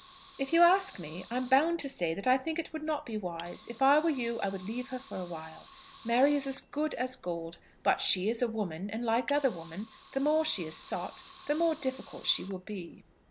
"If you ask me, I am bound to say that I think it would not be wise. If I were you, I would leave her for awhile. Mary is as good as gold, but she is a woman; and, like other women, the more she is sought, the more difficult she will be."